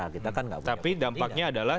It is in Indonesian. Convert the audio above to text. kita kan tidak banyak tapi dampaknya adalah